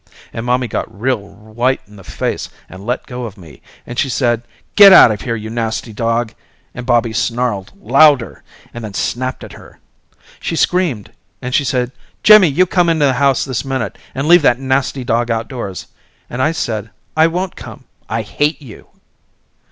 And mommy got real white in the face and let go of me and she said get out of here you nasty dog and Bobby snarled louder and then snapped at her. She screamed and she said Jimmy you come in the house this minute and leave that nasty dog outdoors and I said I won't come, I hate you.